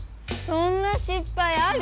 そんなしっぱいある？